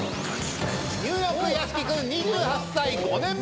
ニューヨーク屋敷君２８歳５年目。